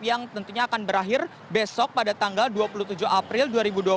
yang tentunya akan berakhir besok pada tanggal dua puluh tujuh april dua ribu dua puluh